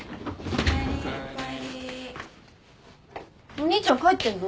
お兄ちゃん帰ってんの？